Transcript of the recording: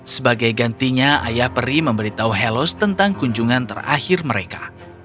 sebagai gantinya ayah peri memberitahu helos tentang kunjungan terakhir mereka